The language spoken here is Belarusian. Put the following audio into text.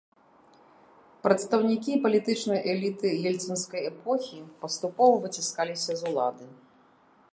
Прадстаўнікі палітычнай эліты ельцынскай эпохі паступова выціскаліся з улады.